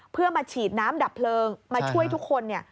เพื่อมาฉีดน้ำดับเพลิงมาช่วยทุกคน